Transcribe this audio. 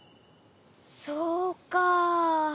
そうか。